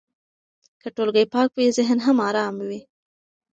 که ټولګی پاک وي، ذهن هم ارام وي.